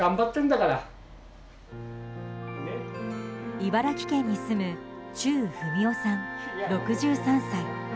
茨城県に住む忠文夫さん、６３歳。